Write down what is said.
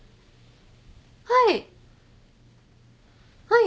はい。